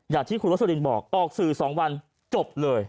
อย่างที่คุณลักษณีย์บอกออกสื่อสองวันจบเลย